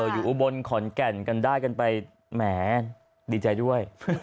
อุบลขอนแก่นกันได้กันไปแหมดีใจด้วย